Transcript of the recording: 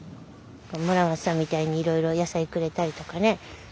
村松さんみたいにいろいろ野菜くれたりとかね。